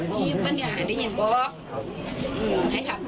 ได้ยันบอกส่วนเพื่อนครับเอ้ย